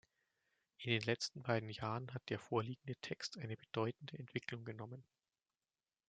In den letzten beiden Jahren hat der vorliegende Text eine bedeutende Entwicklung genommen.